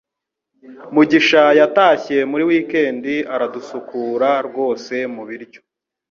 Mugisha yatashye muri wikendi aradusukura rwose mubiryo